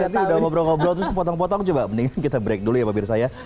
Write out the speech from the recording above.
depan itu udah ngobrol ngobrol terus potong potong coba mendingan kita break dulu ya pak bir saya